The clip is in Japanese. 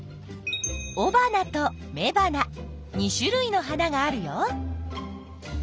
おばなとめばな２種類の花があるよ。